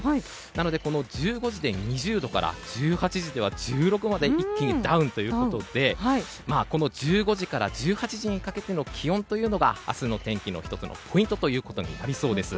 なので、１５時で２０度から１８時で１６度まで一気にダウンということで１５時から１８時にかけての気温というのが明日の天気の１つのポイントということになりそうです。